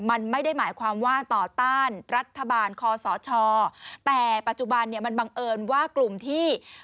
มันไม่ได้หมายความว่าต่อต้านรัฐบาลคอสชแต่ปัจจุบันเนี่ยมันบังเอิญว่ากลุ่มที่